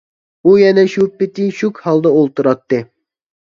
ئۇ يەنە شۇ پېتى شۈك ھالدا ئولتۇراتتى.